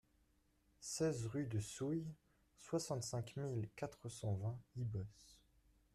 seize rue du Souy, soixante-cinq mille quatre cent vingt Ibos